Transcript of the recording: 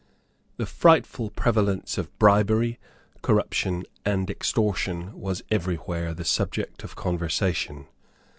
The frightful prevalence of bribery, corruption and extortion was every where the subject of conversation.